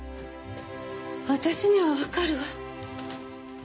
私にはわかるわ。